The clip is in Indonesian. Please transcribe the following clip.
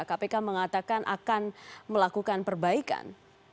kpk mengatakan akan melakukan perbaikan